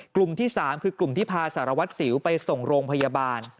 กลุ่มที่๓คือกลุ่มที่พาสารวัตรสิวไปส่งโรงพยาบาล